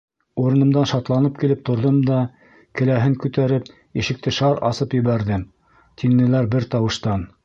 — Урынымдан шатланып килеп торҙом да, келәһен күтәреп, ишекте шар асып ебәрҙем. — тинеләр бер тауыштан.